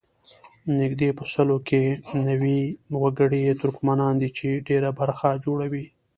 نږدې په سلو کې نوي وګړي یې ترکمنان دي چې ډېره برخه جوړوي.